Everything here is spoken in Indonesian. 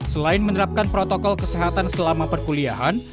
selain menerapkan protokol kesehatan selama perkuliahan